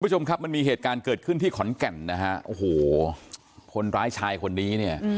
คุณผู้ชมครับมันมีเหตุการณ์เกิดขึ้นที่ขอนแก่นคนร้ายชายคนนี้